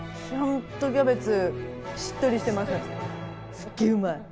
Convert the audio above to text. すっげえうまい。